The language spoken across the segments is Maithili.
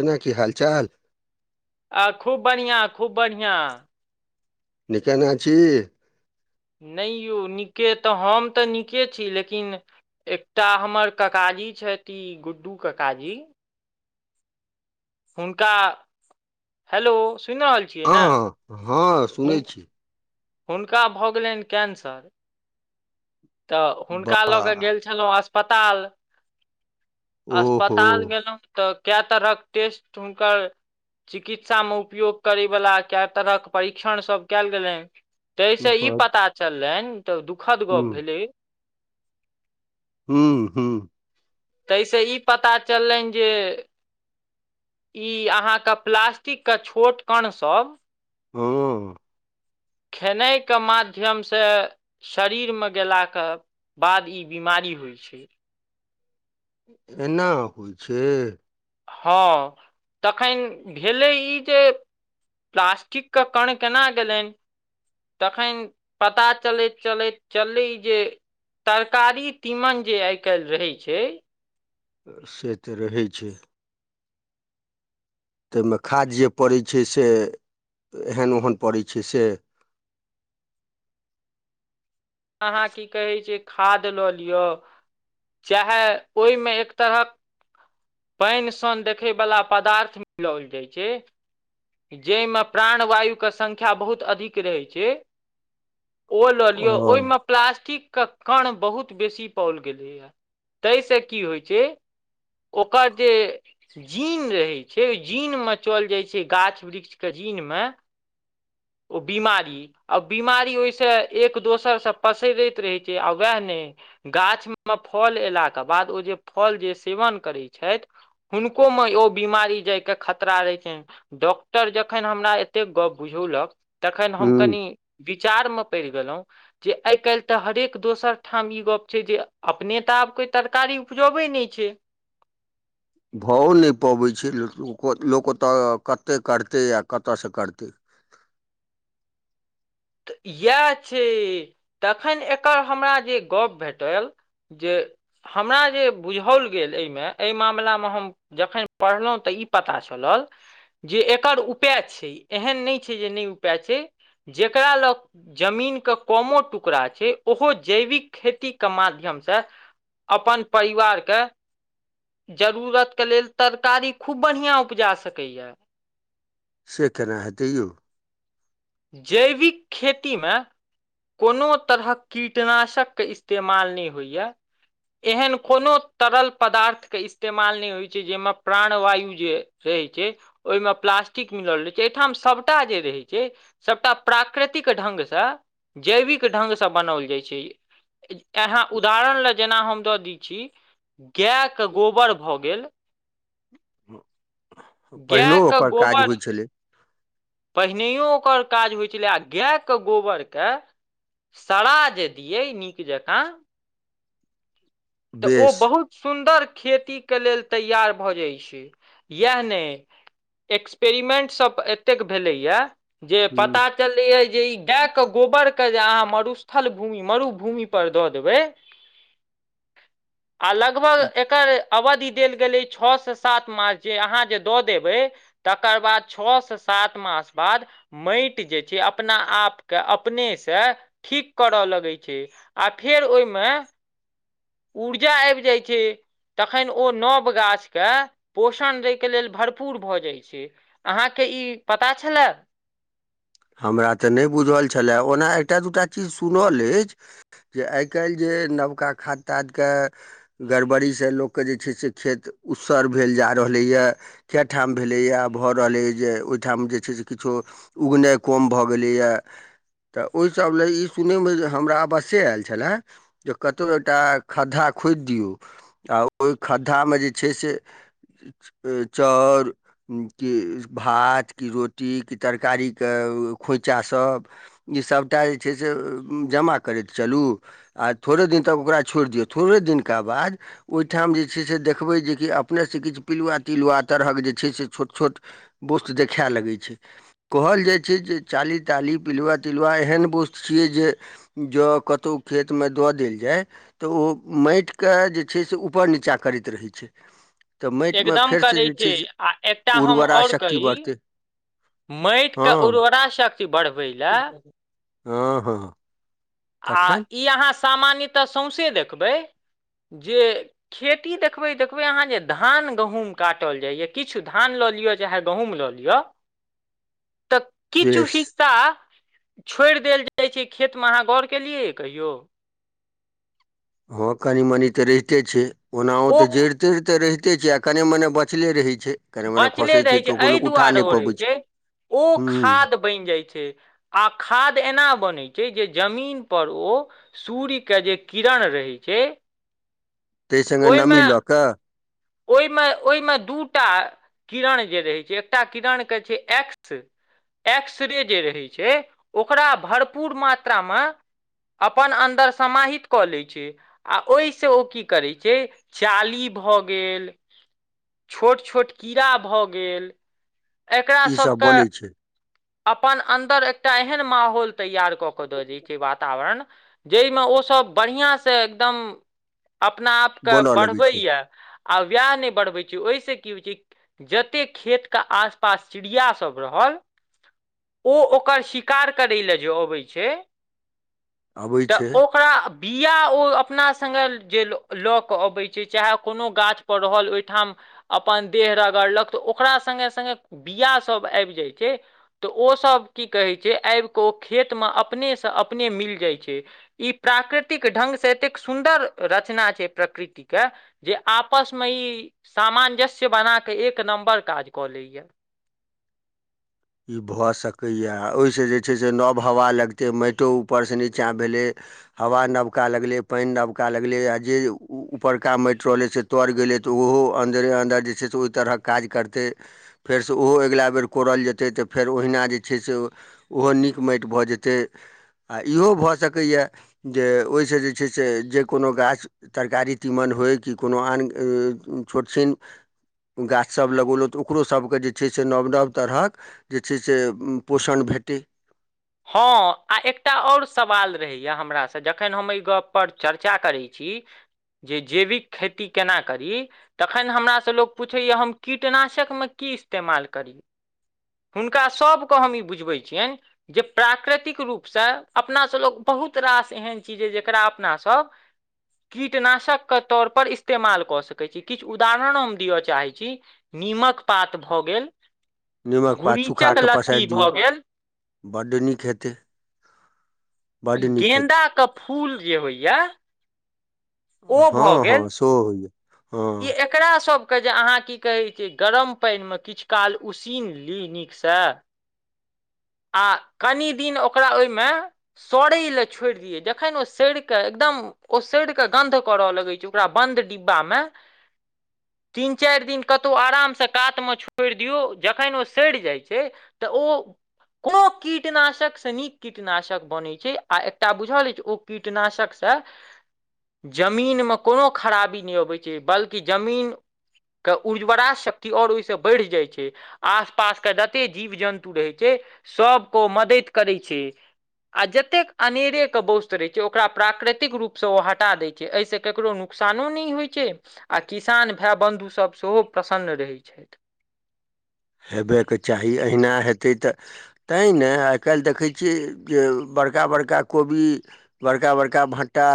केनााकी हाल चाल आ खूब बढ़िआँ खूब बढ़िआँ निकेना छी नहि यौ नीके तऽ हम तऽ नीके छी लेकिन एकटा हमर कक इ छथि छथि ई गुड्डू कक्काजी हुनका हेलो सुनि रहल छियै ने हँ हँ हुन सुनैत छी हुनका भऽ गेलनि कैंसर तऽ हुनका लऽ कऽ वाह गेल छलहुँ अस्पताल ओहो अस्पताल गेलहुँ तऽ कए तरहक टेस्ट हुनकर चिकित्सामे उपयोग करयवला कए तरहक परीक्षण सभ कयल गेलनि ताहिसँ ई हुँ पता चललनि तऽ दुखद गप्प भेलै हुँ हुँ - ताहिसँ ई पता चललनि जे ई अहाँके प्लास्टिकके छोट कणसभ हुँ खेनाइके माध्यमसँ शरीरमे गेलाके बाद ई बिमारी होइ छै एना होइ छै हँ तखन भेलै ई जे प्लास्टिकके कण केना गेलनि तखन पता चलैत चलैत चलली जे तरकारी तीमन जे आइ काल्हि रहै छै से तऽ रहै छै ताहिमे खाद जे पड़ै छै से एहन ओहन पड़ै छै से [inaudible] अहाँ की कहै छै खाद लऽ लियौ चाहे ओहिमे एक तरहक पाइन सन देखयवला पदार्थ मिलाओल जाइत छै जाहिमे प्राणवायुके सङ्ख्या बहुत अधिक रहै छै ओ लऽ लियौ हुँ ओहिमे प्लास्टिक के कण बहुत बेसी पाओल गेलैए ताहिसँ की होइत छै ओकर जे जीन रहैत छै ओ जीन म चल जाइत छै गाछ वृक्ष के जिन मे ओ बीमारी आ बीमारी ओहिसँ एक दोसरसँ पसरैत रहैत छै आ वएह नहि गाछ मे फल एयलाके बाद ओ जे फल जे सेवन करै छथि हुनको मे ओ बीमारी जाय के खतरा रहै छै डॉक्टर जखन हमरा एते गप बुझौलक तखन हम कनि विचार मे पड़ि गेलों जे आइ काल्हि तऽ हरेक दोसर ठाम ई गप छै जे अपनेता आब कोइ तरकारी उपजबै नहि छै [inaudible] भओ नहि पबै छै लोक लोक ओतय कतेक करतै आ कतयसँ करतै [inaudible] तऽ इएह छै तखन एकर हमरा जे गप्प भेटल जे हमरा जे बुझाओल गेल एहिमे एहि मामिलामे हम जखन पढ़लहुँ तै ई पता चलल जे एकर उपाय छै एहन नहि छै जे नहि उपाय छै जे जेकरा लग जमीन के कोमो टुकड़ा छै ओहो जैविक खेती के माध्यम से अपन परिवारके जरूरतके लेल तरकारी खूब बढ़िआँ उपजा सकैए से केना हेतै यौ जैविक खेतीमे कोनो तरहक कीटनाशकके इस्तेमाल नहि होइए एहन कोनो तरल पदार्थ के इस्तेमाल नहि होइत छै जाहिमे प्राणवायु जे रहै छै ओहिमे प्लास्टिक मिलल रहै छै एहिठाम सभटा जे रहै छै सभटा प्राकृतिक ढंगसँ जैविक ढ्ंगसँ बनाओल जाइ छै यहाँ उदाहरण लए जेना हम दऽ दै छी गायके गोबर भऽ गेल पहिनो ओकर काज होइत छलै पहिनओ ओकर काज होइ छलै आ गाएके गोबरके सड़ा जे दियै नीक जकाँ [inaudible] तऽ ओ बेस बहुत सुन्दर खेती के लेल तैयार भऽ जाइ छै यैह ने एक्सपेरिमेंट सब एतेक भेलइया जे हुँ पता चललैया जे ई गाय के गोबर के जे आहा मसस्थल भूमि मरु भूमि पर दऽ देबै आ लगभग एकर अवधि देल गेलै छओ से सात मास जे अहाँ जे दऽ देबै तकर बाद छ से सात मास बाद मइट जे छै अपना आप के अपने से ठीक करल लगै छै आ फेर ओइ मे उर्जा आबि जाइ छै तखन ओ नव गाछ के पोषण दैके लेल भरपूर भऽ जाइत छै अहाँ के ई पता छलै हमरा तऽ नइ बुझल छलए ओना एकटा दूटा चीज सुनल अछि जे आइ काल्हि जे जे नबका खाता के गरबरी से लोक के जे छइ खेत उसर भेल जाय छै जा रहले या के ठाम भेलइ या भअ रहलैया जे ओइठाम जे छइ से किछो उगने कम भऽ गेलैए तऽ ओहिसभ लेल ई सुनयमे जे हमरा अवश्ये आयल छलए जे कतहु एकटा खघा खोइद दियौ आ ओहि खद्धा मे जे छै से चाउर की भात की रोटी की तरकारी ऐं खोँइछा सभ ई सभटा जे छै से जमा करैत चलू आ थोड़े दिन तक ओकरा छोड़ि दियौ थोड़े दिनका बाद ओहिठाम जे छै से देखबै जेक अपने सँ किछ पिलुआ तिलुआ तरहक जे छइ से किछ छोट छोट बोस्ट देखै लगय छै कहल छै जे चाली ताली पिलुआ तिलुआ एहन वस्तु छियै जे ज कतहु खेत मे द देल जाय तऽ ओ माइट के जे छै से उपर निचाँ करैत रहै छै तऽ माटिमे एकदम फेरसँ करै जे छै से आ एकटा हम उर्वरा आओर शक्ति कही बढ़तै मइट के हँ उर्वरा शक्ति बढ़बै लए हँ हँ आ तखन ई अहाँ सामान्यतऽ सौँसे देखबै जे खेती देखबै देखबै अहाँ जे धान गहुँम काटल जाइए किछु धान लऽ लिय चाहे गहुूँम लऽ लिअ [inaudible] तऽ किछु बेस हिस्सा छोड़ि देल जाय छै खेत मे अहा गैर केलियै या कहियौ हँ कनि मनि तऽ रहिते छै ओनाहो तऽ ओ जइड़ तइड़ ते रहिते तै छै आ कनि मने बचले रहै छै कने मने बचले खसै रहै तऽ छै ओकरो एहि लोक उठा दुआरे नहि ओ रहै पबै छै ओ हूँ खाद बनि जाइत छै आ खाद एना बनैत छै जे जमीन पर ओ सूर्य के जे किरण रहै छै ताहि संगे नमी लऽ कऽ ओइ मे ओइ मे दूटा किरण जे रहै छै एकटा किरण के छै एक्स एक्सरे जे रहै छै ओकरा भरपूर मात्रा मे अपन अन्दर समाहित कऽ लै छै आ ओहि सँ ओ की करैत छै जे चाली भऽ गेल छोट छोट कीड़ा भऽ गेल एकरा ईसभ सबके बनै छै अपन अन्दर एकटा एहन माहौल तैयार कऽ क दऽ वर जइ मे ओसभ बढ़िआँ सँ एकदम अपना आपके बनय लगै बढ़बैए छै या आ वैह नहि बढ़बे छै ओहि से की होइ छै जते खेत के आस आस पास चिड़िया सब रहल ओ ओकर शिकार करय लेल जे अबै छै अबै तऽ छै ओकरा बिआ ओ अपना संगे जे लऽ कऽ अबै छै चाहे कोनो गाछपर रहल ओहिठाम अपन देह रगड़लक तऽ ओकरा संगे संगे बिया सब आबि जाय छै तऽ ओ सब की कहे छै आबि के ओ खेत में अपने सब अपने मिल जाइ छै ई प्राकृतिक ढंग से एतेक सुन्दर रचना छै प्राकृतिक के जे आपस मे ई सामंजस्य बना के एक नम्बर काज कऽ लेया ई भऽ सकैए आ ओहिसँ जे छै से नव हवा लगतै माइट ऊपरसँ नीचाँ भेलै हवा नबका लगलै पानि नबका लगलै आ जे ऊपरका माटि रहलै से तौड़ गेलै त अहो अन्दर अंदरे जे छै से ओहि तरहक काज करतै फेर सँ ओहो अगिला बेर कोरल जेतै जे से तऽ फेर ओहिना जे छै से ओहो नीक माटि भऽ जेतै आ इहो भऽ सकैए जे ओहिसँ जे छै से जे कोनो गाछ तरकारी तीमन होय कि कोनो आन छोट छन गाछसभ लगौलहुँ तऽ ओकरोसभके जे छै से नव नव तरहक जे छै से पोषण भेटै हँ आ एकटा ओर सवाल रहैए हमरासँ जखन हम एहि गप पर चर्चा करैत छी की जे जैविक खेती केना करी तखन हमरासँ लोक पुछैय हम कीटनाशकमे की की इस्तेमाल करी हुनका सभक हम ई बुझबै छिय जे प्राकृतिक रूपसँ अपनासँ लोक बहुत बहुत रास एहन चीज जकरा अपनासभ कीटनाशक के तौर पर इस्तेमाल कऽ सकैत छी किछ उदाहरण हम दिअ चाहैत छी नीमक पात भऽ गेल निमक पा सुखा गुरीचक कऽ लत्ती पसाइर दियौ भऽ गेल बड्ड नीक हेतै ऽ बड्ड नीक हेतै गेंदा के फूल जे होइए ओ भऽ हँ गेल हँ सोहो होइए ई हँ एकरा सब जे अहाँ की कहै छिय गरम पानिमे किछ काल उसीन ली नीकसँ [unintelligible] आ कनि दिन ओकरा ओहिमे सड़ै लेलए छोड़ि दियै जखन ओ सड़िकऽ एकदम ओ सड़ के गंध कर लगै छै ओकरा बन्द डिब्बा मे [unintelligible] तीन चारि दिन कतहु आरामसँ कातमे छोड़ि दियौ जखन ओ सड़ि जाइत छै तऽ ओ ओ कोनो कीटनाशक से नीक कीटनाशक बनैत छै आ एकटा बुझल अछि ओ कीटनाशकसँ जमीन म कोनो खराबी नइ अबै छै बल्कि जमीन क उर्ज्वरा शक्ति और ओहिस बढ़ि जाइ छै आस पास के जते जीव जन्तु रहै छै सभ को मदैत करै छै आ जतेक अनेरेके वोस्त्र रहैत छै ओकरा प्राकृतिक रूपसँ ओ हटा दैत छै एहिसँ ककरो नुक्सान नुकसानो नइ होइ छै आ किसान भय बन्धुसभ सेहो प्रसन्न रहै छथि हेबयके चाही अहिना हेतै तऽ तैहि ने आइ काल्हि देखै छियै जे बड़का बड़का कोबी बड़का बड़का भटटा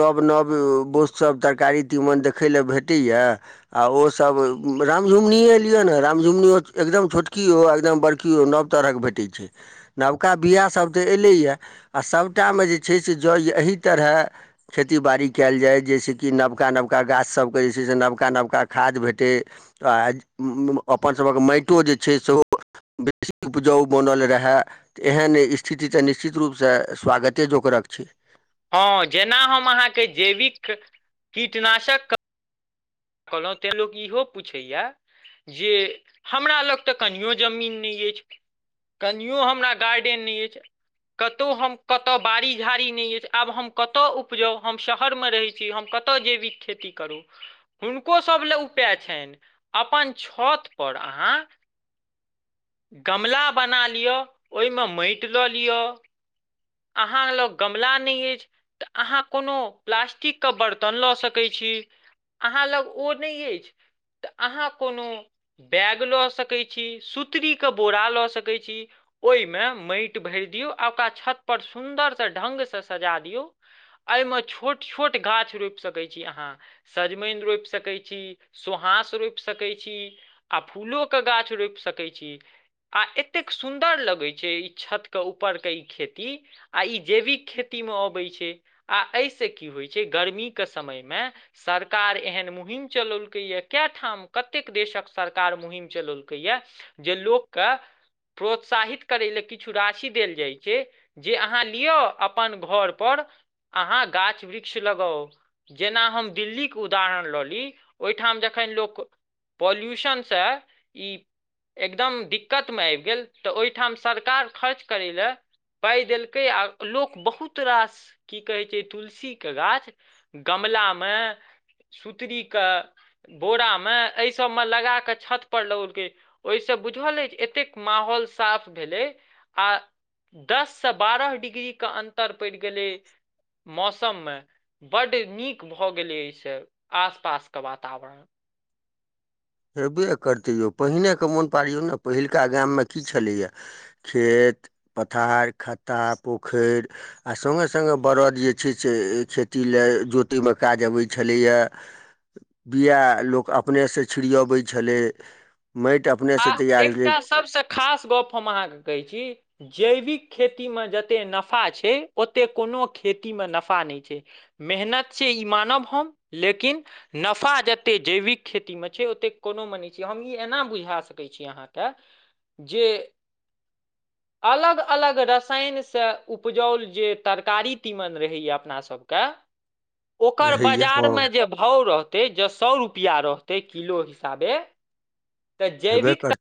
नव नव बोत सब तर तरकारी चिमन देखे ल भेट‌इ य ओ सब त रामझुंगीनीये लिए न राम झुगनियो एकदम छोटकी ओ आ ‌एकदम बड़की ओ नव तरहक भेटे छै नबका बिया सब त एलैय ऐ आ सभटामे जे छै से जौज एहि तरह खेती बाड़ी कैल जाय जे छय से की नबका नबका गाछ सबके जे छै से नबका नबका खाद भेटै आ अपन सभक माइटो जे छै से बेसी उपजाउ बनल रहय एहन स्थिति तऽ निश्चित रूपसँ स्वागते जोकरक छैय हँ जेना हम अहाँके जैविक कीटनाशक कहलो तैय लोक इहो पूछै या जे हमरा लग तऽ कनि तो जमीन नहि अछि कनियो हमरा गार्डियन नइ अछि कतहु हम कतय बाड़ी झाड़ी नइ अछि आब हम कतय उपजाउ हम शहर म रहैत छी हम कत कतऽ जेबिक खेती करू हुनको सभ लेलए उपाय छैन अपन छत पर अहाँ गमला बना लिअ ओहि म माइट लऽ लिअ अहाँ लग गमला नइ अछि तऽ अहाँ कोनो प्लास्टिक के बर्तन लऽ सकैत छी छी अहाँ लग ओ नैय अछि तऽ अहाँ कोनो बैग लऽ सकैत छी सुत सुत्री क बोरा लऽ सकै छी ओहि म माइट भरि दियऔ आ ओकरा छत पर सुंन्दर से ढंग सँ सजा दियौ एहि मे छोट छोट गाछ रोइप सकैत छी अहाँ सजमनि रोपि सकैत छी सोहा घास रोइप सकै छी आ फूलो के गाछ रोइप सकै छी आ एतेक सुन्दर लगै छै ई छत के ऊपर के ई खेती आ ई जैविक खेती मे अबै छै आ एहिसँ की होइ छै गर्मी के समय में सरकार एहन मुहिम चलैलकै या कै ठाम कतेक देशक सरकार मुहिम चलैलकै या जे लोक के प्रोत्साहित करै लेलए किछु राशि देल जाइत छै जे अहाँ लियौ अपन घर पर अहाँ गाछ वृक्ष लगाउ जेना हम दिल्ली के उदाहरण लऽ ली ओहिठ ठाम जखन लोक पॉल्यूशनसँ ई एकदम दिक्कत मे आबि गेल तऽ ओहिठाम सरकार खर्च करय ल पाइ देलकै आ लोक बहुत रास की कहैत छै तुलसी के गाछ गम गमला मे सूत्री कऽ बोरा मे एहि सभ मे लगा कऽ छतपर लगलकै ओहिसँ बुझल अछिइ जे एतेक माहौल साफ भेलै आ दससँ बारह डिग्री के अन्तंर पड़ि गेलै मौसम मे बड्ड नीक भऽ गेलै एइ स आस पास के वातावरण हेबे करतै यौ पहिने के मोन पारियौ ने पहिलका गाम म की छलैए खेत खेत पथार खत्ता पोखरि आ संगे संगे बरद जे छै से खेत जोतै म काज अबैए छलए बिया लोक अपने से छिड़ियबैय छलै आ अपनेसँ तैयार एकटा सबसँ खास गप्प हम अहाँ क कहै छी जैविक खेती में जतेक नफा छै ओते कोनो खेती में नफा नहि छै में मेहनत छिए ई मानब हम लेकिन नफा जतै जैविक खेती में छै ओत कोनो हम ई एना बुझा सकै छी अहाँ कऽ जे [inaudible] अलग अलग रसायनसँ उपजाओल जे तरकारी तीमन रहैए अपना सभक [inaudible] ओकर रहैए बाजार हँ में जे भाव रहथि जँ सए रुपैआ रहतै किलो हिसाबे तऽ हेबे जैविकता करतै